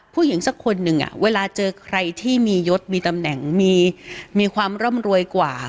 ผู้หญิงสักคนหนึ่งเวลาเจอใครที่มียศมีตำแหน่งมีความร่ำรวยกว่า